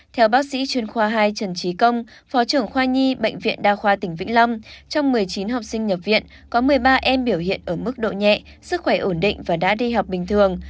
theo bác sĩ chuyên khoa hai trần trí công phó trưởng khoa nhi bệnh viện đa khoa tỉnh vĩnh long trong một mươi chín học sinh nhập viện có một mươi ba em biểu hiện ở mức độ nhẹ sức khỏe ổn định và đã đi học bình thường